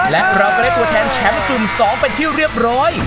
และเราก็ได้ตัวแทนแชมป์กลุ่ม๒เป็นที่เรียบร้อย